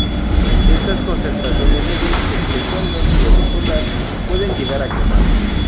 Estas concentraciones de luz, especialmente de luz solar, pueden llegar a quemar.